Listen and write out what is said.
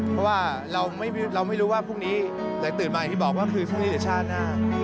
เพราะว่าเราไม่รู้ว่าพรุ่งนี้ไหนตื่นมาอย่างที่บอกว่าคือพรุ่งนี้เดี๋ยวชาติหน้า